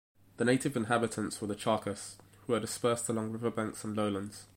The native inhabitants were the Charcas, who were dispersed along riverbanks and lowlands.